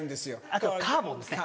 あとカーボンですね。